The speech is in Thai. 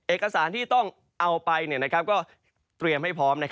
เอกสารที่ต้องเอาไปก็เตรียมให้พร้อม